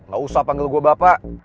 gak usah panggil gue bapak